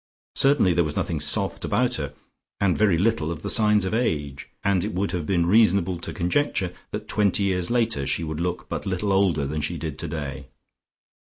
Certainly there was nothing soft about her, and very little of the signs of age, and it would have been reasonable to conjecture that twenty years later she would look but little older than she did today.